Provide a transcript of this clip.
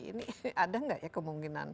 ini ada nggak ya kemungkinan